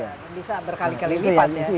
bisa berkali kali lipat ya